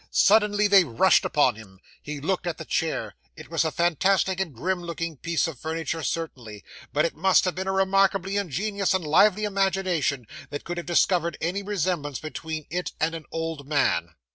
Suddenly they rushed upon him. He looked at the chair; it was a fantastic and grim looking piece of furniture, certainly, but it must have been a remarkably ingenious and lively imagination, that could have discovered any resemblance between it and an old man.